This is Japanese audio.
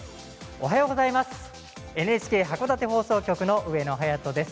おはようございます。